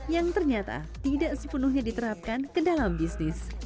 yang ternyata tidak sepenuhnya diterapkan ke dalam bisnis